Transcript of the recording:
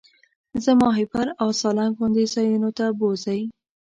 زه ماهیپر او سالنګ غوندې ځایونو ته بوځئ.